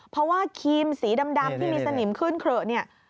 เพราะว่าครีมสีดำที่มีสนิมขึ้นเขละเนี่ย